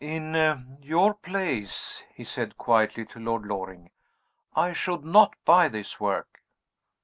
"In your place," he said quietly to Lord Loring, "I should not buy this work."